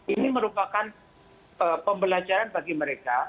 ini merupakan pembelajaran bagi mereka